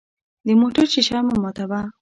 د موټر شیشه مه ماتوه.